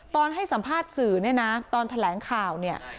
ตอนให้สัมภาษณ์สื่อเนี่ยนะตอนแถลงข่าวเนี่ย